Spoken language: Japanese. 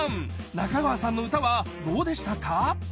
仲川さんの歌はどうでしたか？